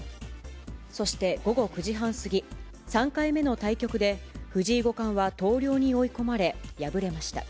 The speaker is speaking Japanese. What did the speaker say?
そして午後９時半過ぎ、３回目の対局で、藤井五冠は投了に追い込まれ、敗れました。